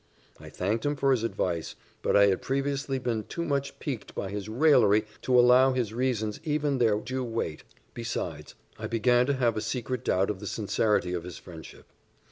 I thanked him for his advice, but I had previously been too much piqued by his raillery to allow his reasons even their due weight: besides, I began to have a secret doubt of the sincerity of his friendship.